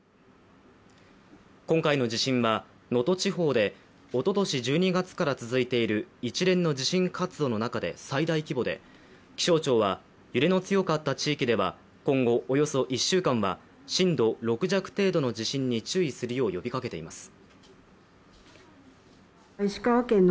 今回の地震は、能登地方でおととし１２月から続いている一連の地震活動の中で最大規模で気象庁は、揺れの強かった地域では今後およそ１週間は震度６弱程度の地震に注意するよう呼びかけています。